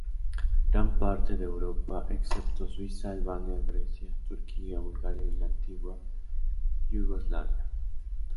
Gran parte de Europa, excepto Suiza, Albania, Grecia, Turquía, Bulgaria y la antigua Yugoslavia.